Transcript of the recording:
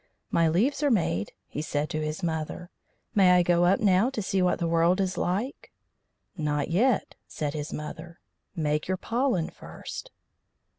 "My leaves are made," he said to his mother. "May I go up now to see what the world is like?" "Not yet," said his mother. "Make your pollen first."